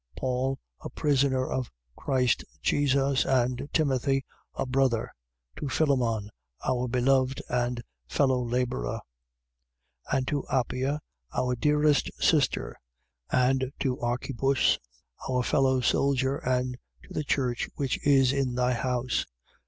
1:1. Paul, a prisoner of Christ Jesus, and Timothy, a brother: to Philemon, our beloved and fellow labourer, 1:2. And to Appia, our dearest sister, and to Archippus, our fellow soldier, and to the church which is in thy house.